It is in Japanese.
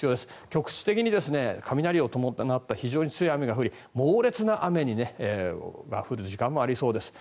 局地的に雷を伴った非常に強い雨が降り猛烈な雨が降る時間もありそうです。